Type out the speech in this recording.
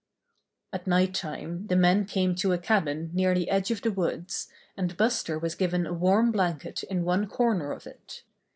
At night time the men came to a cabin near the edge of the woods, and Buster was given a warm blanket in one corner of it.